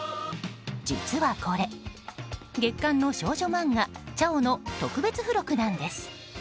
実はこれ月刊の少女まんが「ちゃお」の特別付録なんです。